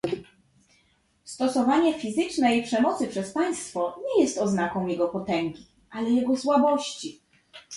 Stosowanie fizycznej przemocy przez państwo nie jest oznaką jego potęgi, ale jego słabości